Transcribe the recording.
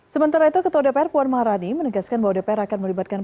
sementara itu ketua dpr puan maharani menegaskan bahwa dpr akan melibatkan